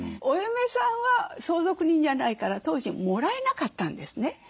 お嫁さんは相続人じゃないから当時もらえなかったんですね。